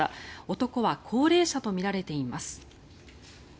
男は高齢者とみられています。